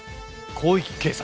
『広域警察』